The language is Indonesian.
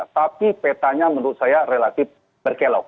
tapi petanya menurut saya relatif berkelok